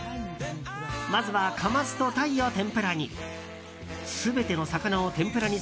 まずはカマスとタイを天ぷらに。